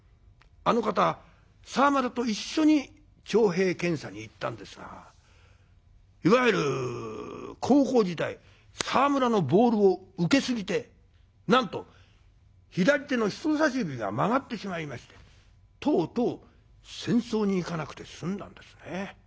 あの方沢村と一緒に徴兵検査に行ったんですがいわゆる高校時代沢村のボールを受けすぎてなんと左手の人さし指が曲がってしまいましてとうとう戦争に行かなくて済んだんですね。